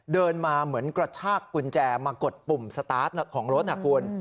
เดินมาเหมือนกระชากกุญแจมากดปุ่มสตาร์ทของรถนะคุณ